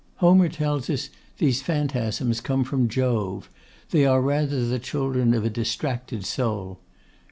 Homer tells us these phantasms come from Jove; they are rather the children of a distracted soul.